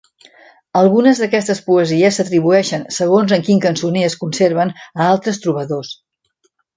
Algunes d'aquestes poesies s'atribueixen, segons en quin cançoner es conserven, a altres trobadors.